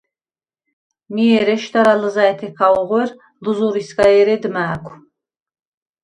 მი ერ ეშდარა ლჷზა̈ჲთექა ოღუ̂ერ, ლჷზორისგა ერედ მა̄̈ქუ̂: